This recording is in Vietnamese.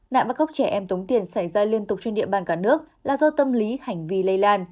nạn bắt cóc trẻ em tống tiền xảy ra liên tục trên địa bàn cả nước là do tâm lý hành vi lây lan